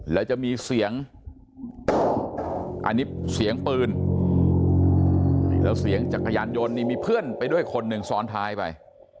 แล้วจะมีเสียงอันนี้เสียงปืนแล้วเสียงจักรยานยนต์นี่มีเพื่อนไปด้วยคนหนึ่งซ้อนท้ายไป